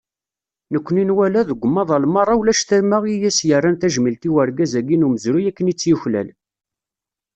Nekkni nwala, deg umaḍal meṛṛa, ulac tama i as-yerran tajmilt i urgaz-agi n umezruy akken i tt-yuklal.